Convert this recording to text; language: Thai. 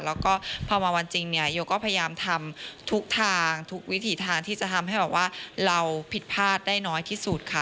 แล้วก็พอมาวันจริงเนี่ยโยก็พยายามทำทุกทางทุกวิถีทางที่จะทำให้แบบว่าเราผิดพลาดได้น้อยที่สุดค่ะ